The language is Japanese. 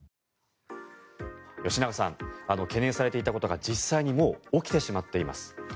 吉永さん懸念されていたことが実際にもう起きてしまっています。